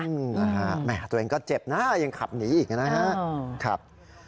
อืมตัวเองก็เจ็บนะยังขับอย่างนี้อีกนะครับ